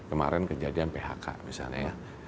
kemarin kejadian phk misalnya ya